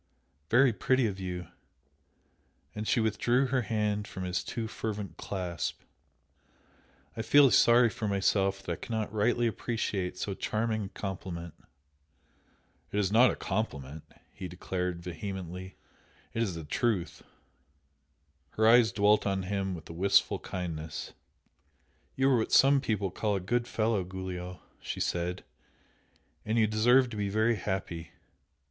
"Very pretty of you!" and she withdrew her hand from his too fervent clasp, "I feel sorry for myself that I cannot rightly appreciate so charming a compliment!" "It is not a compliment" he declared, vehemently; "It is a truth!" Her eyes dwelt on him with a wistful kindness. "You are what some people call 'a good fellow,' Giulio!" she said "And you deserve to be very happy.